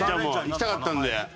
いきたかったんで。